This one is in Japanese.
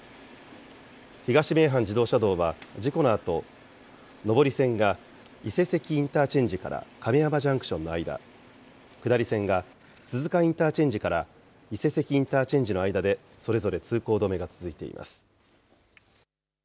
東名阪自動車道は、事故のあと、上り線が伊勢関インターチェンジから亀山ジャンクションの間、下り線が、鈴鹿インターチェンジから伊勢関インターチェンジの間でそれぞれ通行止めが続いています。